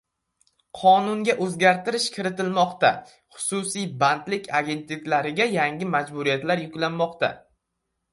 Qonunga o‘zgartirish kiritilmoqda. Xususiy bandlik agentliklariga yangi majburiyatlar yuklanmoqda